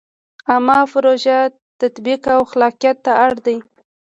عامه پروژو تطبیق او خلاقیت ته اړ دی.